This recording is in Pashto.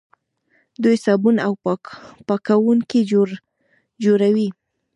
دوی صابون او پاکوونکي جوړوي.